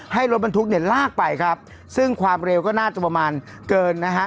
ให้รถบรรทุกเนี่ยลากไปครับซึ่งความเร็วก็น่าจะประมาณเกินนะฮะ